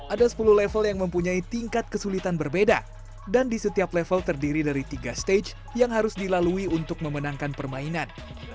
ada sepuluh level yang mempunyai tingkat kesulitan berbeda dan di setiap level terdiri dari tiga stage yang harus dilalui untuk memenangkan permainan